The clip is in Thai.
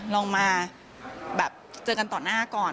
ลองมาแบบเจอกันต่อหน้าก่อน